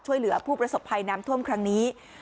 ช่วยเหลือผู้ประสบภัยน้ำท่วมครั้งนี้